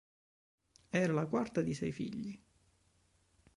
Era la quarta di sei figli.